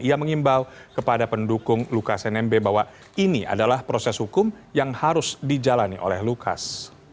ia mengimbau kepada pendukung lukas nmb bahwa ini adalah proses hukum yang harus dijalani oleh lukas